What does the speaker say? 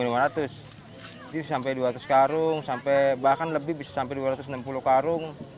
itu bisa sampai dua ratus karung bahkan bisa sampai dua ratus enam puluh karung